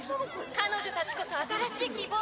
彼女たちこそ新しい希望。